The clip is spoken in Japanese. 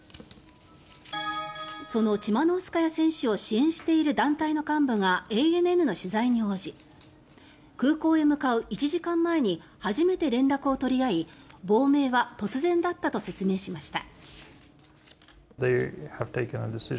そのチマノウスカヤ選手を支援している団体の幹部がＡＮＮの取材に応じ空港へ向かう１時間前に初めて連絡を取り合い亡命は突然だったと説明しました。